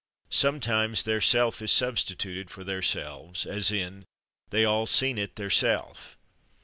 Sometimes /theirself/ is substituted for theirselves, as in "they all seen it /theirself